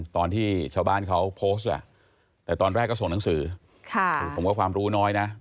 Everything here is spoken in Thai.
ถ้าส่งหนังสือไม่ถึง